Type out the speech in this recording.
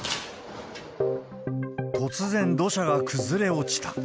突然、土砂が崩れ落ちた。